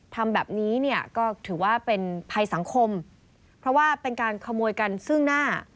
ทำแบบนี้เนี่ยก็ถือว่าเป็นภัยสังคมเพราะว่าเป็นการขโมยกันซึ่งหน้า